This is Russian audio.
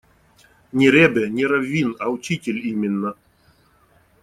Не ребе, не раввин, а учитель именно.